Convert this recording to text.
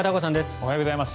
おはようございます。